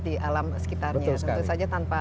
di alam sekitarnya tentu saja tanpa